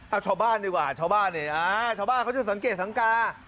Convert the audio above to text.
เอาชาวบ้านดีกว่าชาวบ้านเนี่ยชาวบ้านชาวบ้านเขาจะสังเกตสังกา